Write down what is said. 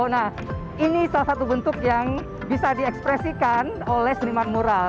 nah ini salah satu bentuk yang bisa diekspresikan oleh seniman mural